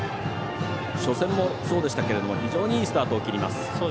初戦もそうでしたが非常にいいスタートを切ります。